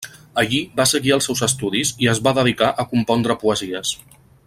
Allí va seguir els seus estudis i es va dedicar a compondre poesies.